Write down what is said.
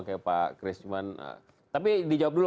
kayak pak chris cuman tapi dijawab dulu